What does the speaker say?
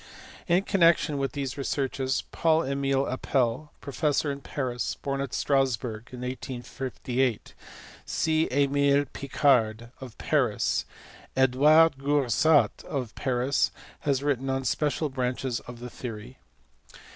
In connection with these researches Paul Emile Appell, professor in Paris, born at Strassburg in 1858, C. Emile Picard of Paris, and fidouard G our sat of Paris have written on special branches of the theory.